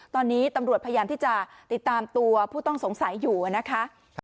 ตอนนี้ตำรวจพยายามที่จะติดตามตัวผู้ต้องสงสัยอยู่นะคะ